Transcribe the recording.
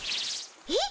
えっ？